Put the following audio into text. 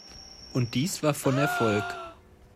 Und dies war von Erfolg.